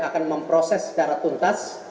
akan memproses secara tuntas